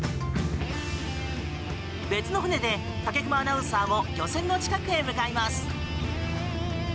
別の船で、武隈アナウンサーも漁船の近くへ向かいます。